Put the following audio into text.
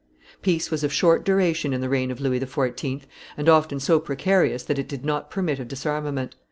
Peace was of short duration in the reign of Louis XIV., and often so precarious that it did not permit of disarmament.